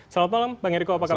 selamat malam bang eriko apa kabar